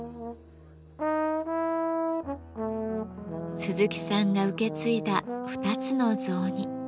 鈴木さんが受け継いだ２つの雑煮。